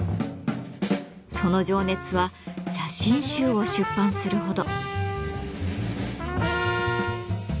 その情熱は写真集を出版するほど。